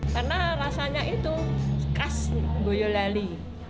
karena rasanya itu khas boyolali